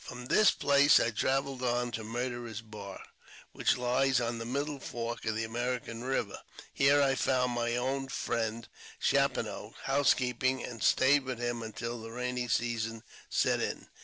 From this place I travelled on to Murderer's Bar, which lies on the middle fork of the American Eiver; here I fomid my old friend Chapineau house keeping, and stayed with him until the rainy season set in.